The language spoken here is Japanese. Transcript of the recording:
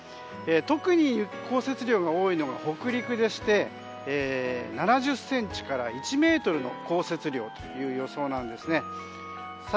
特に降雪量が多いのが北陸でして７０ｃｍから１ｍの降雪量という予想です。